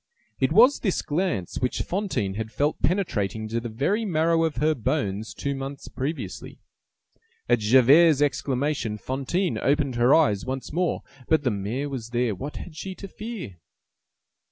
It was this glance which Fantine had felt penetrating to the very marrow of her bones two months previously. At Javert's exclamation, Fantine opened her eyes once more. But the mayor was there; what had she to fear?